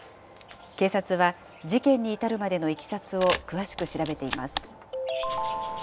警察は、事件に至るまでのいきさつを詳しく調べています。